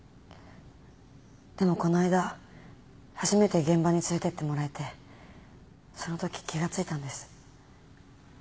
でもこの間初めて現場に連れてってもらえてそのとき気が付いたんです。